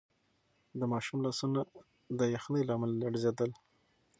د ماشوم لاسونه د یخنۍ له امله لړزېدل.